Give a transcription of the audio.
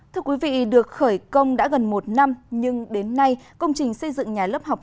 thưa quý vị được khởi công đã gần một năm nhưng đến nay công trình xây dựng nhà lớp học